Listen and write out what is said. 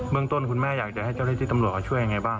เมืองต้นคุณแม่อยากจะให้เจ้าหน้าที่ตำรวจเขาช่วยยังไงบ้าง